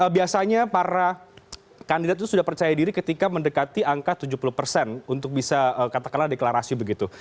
biasanya para kandidat itu sudah percaya diri ketika mendekati angka tujuh puluh persen untuk bisa katakanlah deklarasi begitu